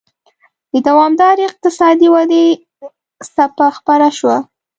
د دوامدارې اقتصادي ودې څپه خپره شوه.